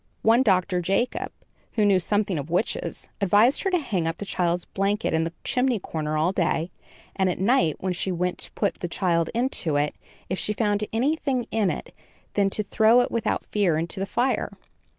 One doctor Jacob, who knew something of witches, advised her to hang up the child's blanket in the chimney corner all day, and at night, when she went to put the child into it, if she found anything in it, then to throw it without fear into the fire.